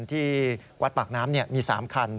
ที่วัดปากน้ำมี๓คัน